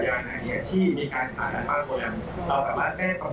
ยานั้นจะต้องไปรับที่โรงพยาบาลเท่านั้น